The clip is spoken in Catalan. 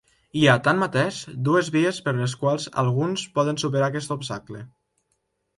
Hi ha tanmateix dues vies per les quals alguns poden superar aquest obstacle.